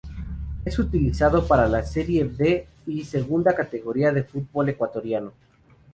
Es utilizado para la Serie B y Segunda Categoría del fútbol ecuatoriano.